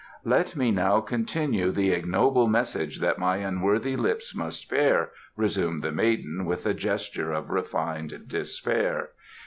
"Let me now continue the ignoble message that my unworthy lips must bear," resumed the maiden, with a gesture of refined despair.